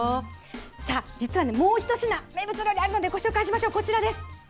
さあ、実はもう一品、名物料理があるのでご紹介しましょう、こちらです。